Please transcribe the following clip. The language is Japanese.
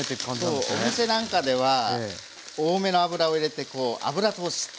そうお店なんかでは多めの油を入れてこう油通し。